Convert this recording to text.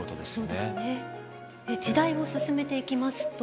そうですね。時代を進めていきますと。